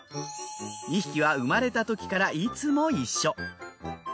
２匹は生まれたときからいつも一緒。